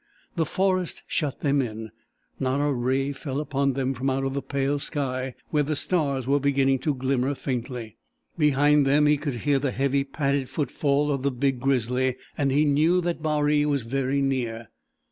The forest shut them in. Not a ray fell upon them from out of the pale sky where the stars were beginning to glimmer faintly. Behind them he could hear the heavy, padded footfall of the big grizzly, and he knew that Baree was very near.